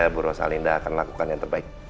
saya buruh salinda akan melakukan yang terbaik